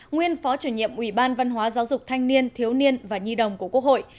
nguyên phó chủ nhiệm ủy ban văn hóa giáo dục thanh niên thiếu niên và nhi đồng của quốc hội